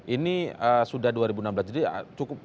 ini sudah dua ribu enam belas jadi cukup